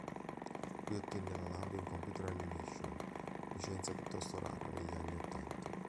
Qui ottenne la laurea in Computer Animation, licenza piuttosto rara negli anni ottanta.